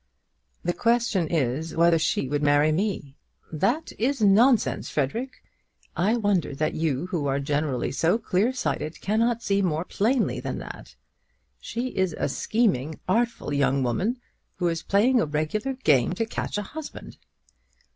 "The question is whether she would marry me." "That is nonsense, Frederic. I wonder that you, who are generally so clear sighted, cannot see more plainly than that. She is a scheming, artful young woman, who is playing a regular game to catch a husband."